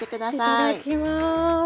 いただきます。